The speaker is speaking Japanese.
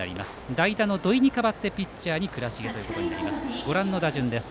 代打の土居に代わってピッチャーに倉重です。